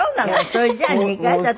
それじゃあ２回だったら。